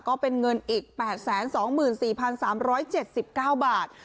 ก็เป็นเงินอีก๘๒๔๓๗๙บาท